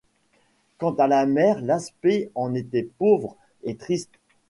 Quant à la mère, l’aspect en était pauvre et triste.